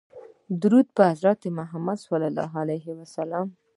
درود په محمدﷺ